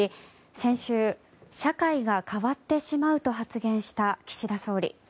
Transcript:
先週、社会が変わってしまうと発言した岸田総理。